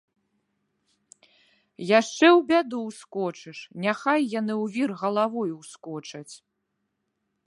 Яшчэ ў бяду ўскочыш, няхай яны ў вір галавою ўскочаць.